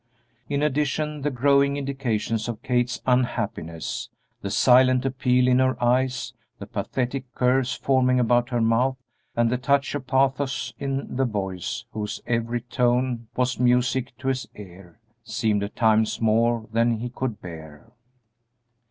In addition, the growing indications of Kate's unhappiness, the silent appeal in her eyes, the pathetic curves forming about her mouth, and the touch of pathos in the voice whose every tone was music to his ear, seemed at times more than he could bear.